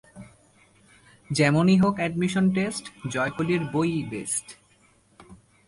তাদের দুই মেয়ে।